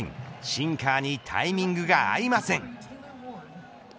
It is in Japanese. シンカーにタイミングが合いません。